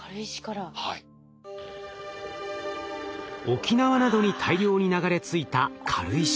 沖縄などに大量に流れ着いた軽石。